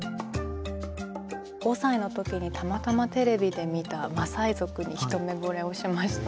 ５歳の時にたまたまテレビで見たマサイ族に一目ぼれをしまして。